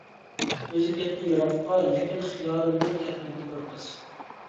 ئۆزى كەتتى يىراققا، لېكىن، خىيالىمدىن كەتمىدى بىر قىز.